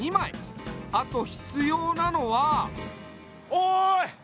おい！